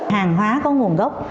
hàng hóa có nguồn gốc